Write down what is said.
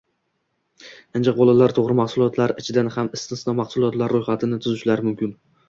Injiq bolalar to‘g‘ri mahsulotlar ichidan ham istisno mahsulotlar ro‘yxatini “tuzishlari mumkin”